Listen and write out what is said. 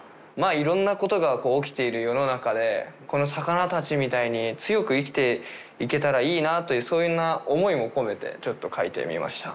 いろんなことが起きている世の中でこの魚たちみたいに強く生きていけたらいいなというそんな思いも込めてちょっと書いてみました。